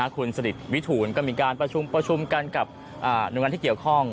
คุณสนิทวิทูลก็มีการประชุมกันกับหน่วยงานที่เกี่ยวข้อง